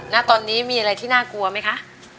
ณตอนนี้มีอะไรที่น่ากลัวไหมคะ